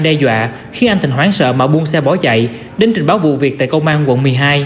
đe dọa khi anh thành hoán sợ mà buông xe bỏ chạy đến trình báo vụ việc tại công an quận một mươi hai